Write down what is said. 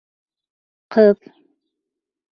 Ҡыҙ: